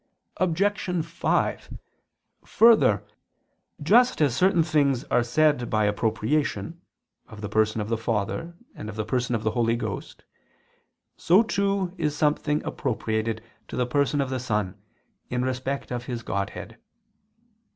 Obj. 5: Further, just as certain things are said by appropriation, of the Person of the Father and of the Person of the Holy Ghost, so too is something appropriated to the Person of the Son, in respect of His Godhead.